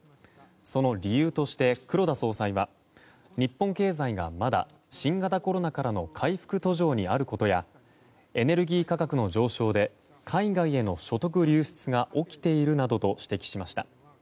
その理由として、黒田総裁は日本経済がまだ新型コロナからの回復途上にあることやエネルギー価格の上昇で海外への所得流出が起きているなどと指摘しました。